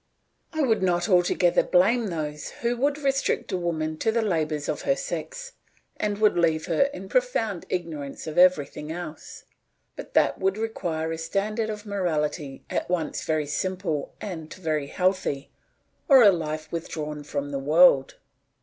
I would not altogether blame those who would restrict a woman to the labours of her sex and would leave her in profound ignorance of everything else; but that would require a standard of morality at once very simple and very healthy, or a life withdrawn from the world.